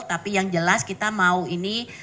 tapi yang jelas kita mau ini